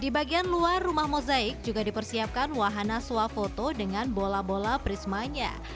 di bagian luar rumah mozaik juga dipersiapkan wahana swafoto dengan bola bola prismanya